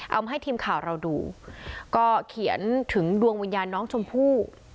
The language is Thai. เอามาให้ทีมข่าวเราดูก็เขียนถึงดวงวิญญาณน้องชมพู่